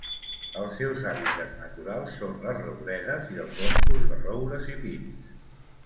Els seus hàbitats naturals són les rouredes i els boscos de roures i pins.